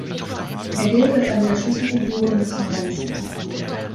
Er gilt als eine der Schlüsselfiguren des Modernismus.